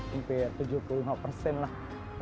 hampir tujuh puluh lima lah nggak ada hilang